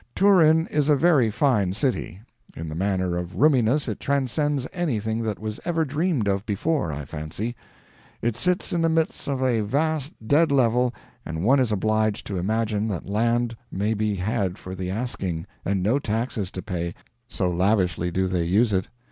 Turin is a very fine city. In the matter of roominess it transcends anything that was ever dreamed of before, I fancy. It sits in the midst of a vast dead level, and one is obliged to imagine that land may be had for the asking, and no taxes to pay, so lavishly do they use it.